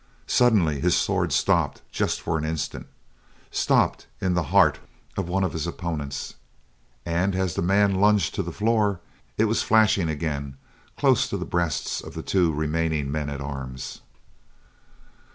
Suddenly his sword stopped just for an instant, stopped in the heart of one of his opponents, and as the man lunged to the floor, it was flashing again close to the breasts of the two remaining men at arms.